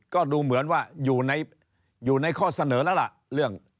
ก็ดูเหมือนว่าอยู่ในข้อเสนอแล้วล่ะเรื่อง